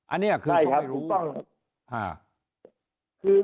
อันเนี่ยคือเขาไม่รู้